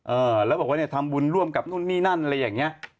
เออแล้วบอกว่าเนี่ยทำบุญร่วมกับนู่นนี่นั่นอะไรอย่างเงี้ย